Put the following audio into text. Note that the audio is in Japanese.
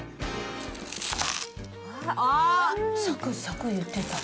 サクサクいってた。